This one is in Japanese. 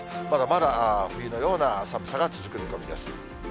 まだまだ冬のような寒さが続く見込みです。